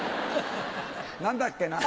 何だっけな。